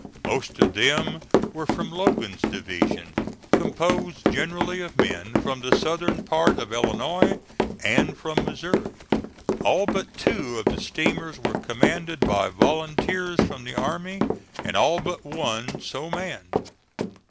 Most of them were from Logan's division, composed generally of men from the southern part of Illinois and from Missouri. All but two of the steamers were commanded by volunteers from the army, and all but one so manned.